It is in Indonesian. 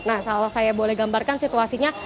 nah kalau saya boleh gambarkan situasinya